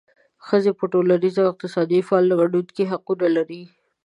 ښځې په ټولنیز او اقتصادي فعال ګډون کې حقونه لري.